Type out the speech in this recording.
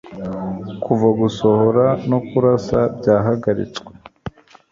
kuva gusohora no kurasa byahagaritswe